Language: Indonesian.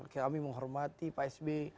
kami menghormati pak s b